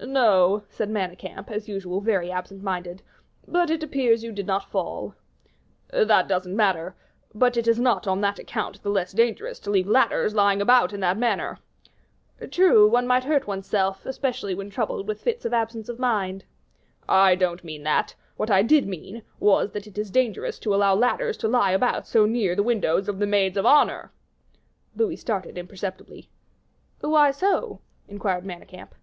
"No," said Manicamp, as usual very absent minded, "but it appears you did not fall." "That doesn't matter; but it is not on that account the less dangerous to leave ladders lying about in that manner." "True, one might hurt one's self, especially when troubled with fits of absence of mind." "I don't mean that; what I did mean, was that it is dangerous to allow ladders to lie about so near the windows of the maids of honor." Louis started imperceptibly. "Why so?" inquired Manicamp.